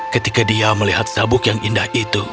ketika dia melihat sabuk yang indah itu